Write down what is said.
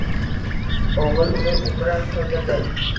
Oʻgʻil uni umra qildirdi.